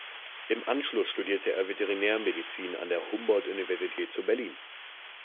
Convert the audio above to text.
Im Anschluss studierte er Veterinärmedizin an der Humboldt-Universität zu Berlin.